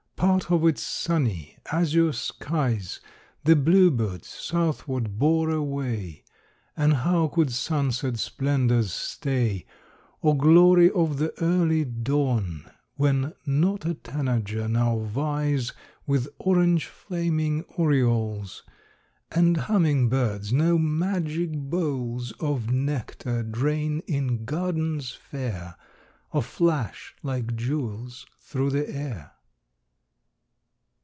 Part of its sunny, azure skies The bluebirds southward bore away, And how could sunset splendors stay, Or glory of the early dawn, When not a tanager now vies With orange flaming orioles, And humming birds no magic bowls Of nectar drain in gardens fair, Or flash like jewels through the air?